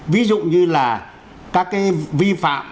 ví dụ như là các cái vi phạm